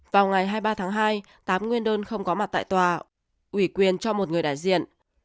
vào ngày hai mươi ba tháng hai tám nguyên đơn không có mặt tại tòa ủy quyền cho một người đại diện